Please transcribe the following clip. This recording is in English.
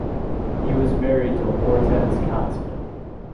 He was married to Hortense Katzman.